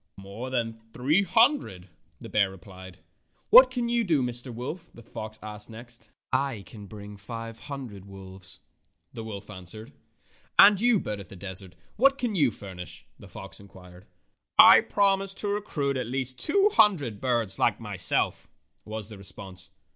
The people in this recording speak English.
"More than three hundred," the bear replied. "What can you do, Mr. Wolf?" the fox asked next. Fairy Tale Foxes 101 'T can bring five hundred wolves," the woK answered. "And you, Bird of the Desert, what help can you furnish?" the fox inquired. "I promise to recruit at least two hundred birds like myself," was the response.